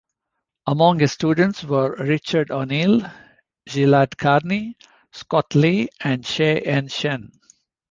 Among his students were Richard O'Neill, Gilad Karni, Scott Lee and Che-Yen Chen.